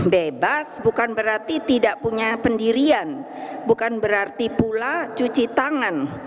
bebas bukan berarti tidak punya pendirian bukan berarti pula cuci tangan